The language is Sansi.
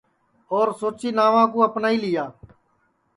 اور سوچی ناوا کُو اپنائی لیا